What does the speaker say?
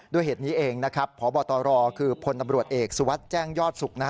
ด้วยเหตุนี้เองพบตรคือผลอำรวจเอกสุวัสดิ์แจ้งยอดศุกร์